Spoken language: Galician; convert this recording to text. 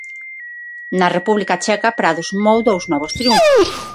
Na República Checa, Prado sumou dous novos triunfos.